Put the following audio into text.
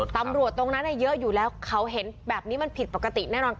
ตรงนั้นเยอะอยู่แล้วเขาเห็นแบบนี้มันผิดปกติแน่นอน